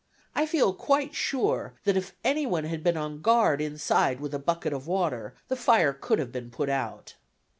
I feel quite sure that if any one had been on guard inside with a bucket of water the fire could have been put out.